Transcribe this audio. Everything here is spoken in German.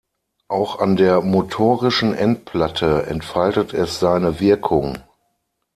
Auch an der motorischen Endplatte entfaltet es seine Wirkung.